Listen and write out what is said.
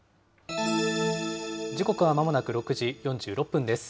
時刻はまもなく６時４６分です。